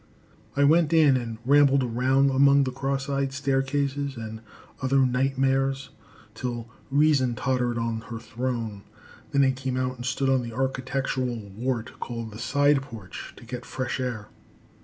I went in and rambled around among the cross eyed staircases and other night mares till reason tottered on her throne. Then I came out and stood on the architectural wart, called the side porch, to get fresh air.